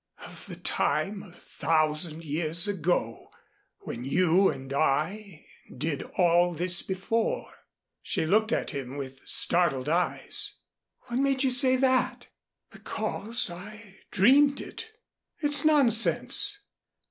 "Of the time a thousand years ago when you and I did all this before." She looked at him with startled eyes. "What made you say that?" "Because I dreamed it." "It's nonsense."